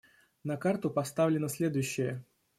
На карту поставлено следующее.